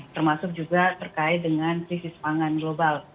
termasuk juga terkait dengan krisis pangan global